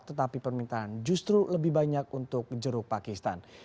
tetapi permintaan justru lebih banyak untuk jeruk pakistan